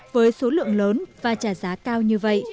với số lượng lớn và trả giá cao như vậy